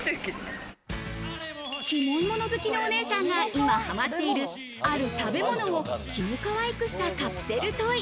キモいもの好きのお姉さんが今ハマっている、ある食べ物をキモかわいいくしたカプセルトイ。